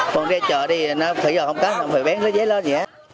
còn ra chợ thì nó thử rồi không có phải bén nó dễ lên